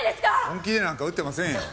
本気でなんか打ってませんよ。